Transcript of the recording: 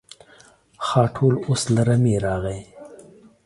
خاټول اوس له رمې راغی.